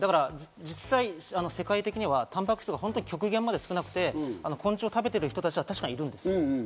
実際、世界的にはタンパク質が極限まで少なくて、昆虫を食べてる人が確かにいるんです。